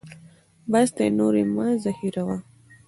بس دی نور یې مه زهیروه.